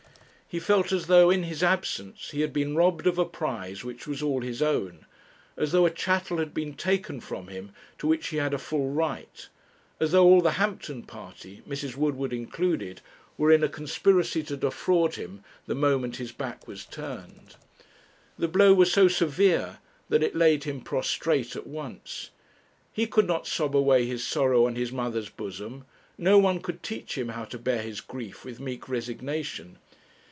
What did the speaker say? He felt as though, in his absence, he had been robbed of a prize which was all his own, as though a chattel had been taken from him to which he had a full right; as though all the Hampton party, Mrs. Woodward included, were in a conspiracy to defraud him the moment his back was turned. The blow was so severe that it laid him prostrate at once. He could not sob away his sorrow on his mother's bosom; no one could teach him how to bear his grief with meek resignation.